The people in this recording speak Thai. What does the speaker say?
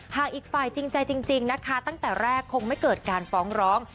อีกฝ่ายจริงใจจริงนะคะตั้งแต่แรกคงไม่เกิดการฟ้องร้อง